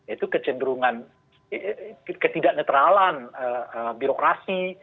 itu kecenderungan ketidak netralan birokrasi